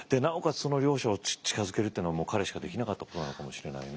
その両者を近づけるっていうのは彼しかできなかったことなのかもしれないね。